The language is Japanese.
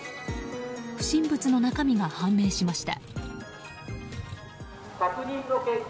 不審物の中身が判明しました。